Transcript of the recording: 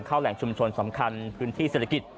แหล่งชุมชนสำคัญพื้นที่เศรษฐกิจ